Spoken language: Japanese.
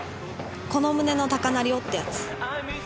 『この胸の高鳴りを』ってやつ。